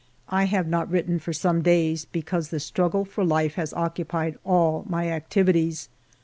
I have not written for some days because the struggle for Hfe has occupied all my activities.